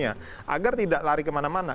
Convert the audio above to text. agar tidak lari kemana mana